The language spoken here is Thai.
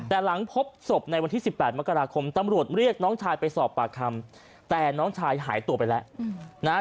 แต่หลังพบศพในวันที่๑๘มกราคมตำรวจเรียกน้องชายไปสอบปากคำแต่น้องชายหายตัวไปแล้วนะฮะ